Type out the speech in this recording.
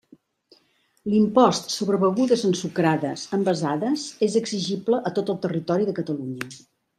L'impost sobre begudes ensucrades envasades és exigible a tot el territori de Catalunya.